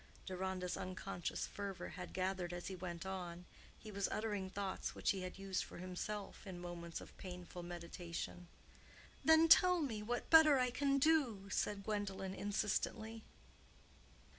Deronda's unconscious fervor had gathered as he went on: he was uttering thoughts which he had used for himself in moments of painful meditation. "Then tell me what better I can do," said Gwendolen, insistently.